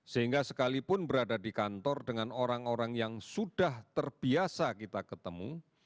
sehingga sekalipun berada di kantor dengan orang orang yang sudah terbiasa kita ketemu